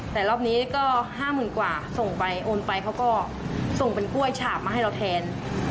แต่รอบนี้ก็๕๐๐๐กว่าส่งไปโอนไปเขาก็ส่งเป็นกล้วยฉาบมาให้เราแทน